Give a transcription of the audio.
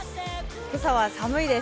今朝は寒いです。